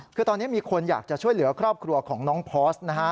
คือตอนนี้มีคนอยากจะช่วยเหลือครอบครัวของน้องพอร์สนะฮะ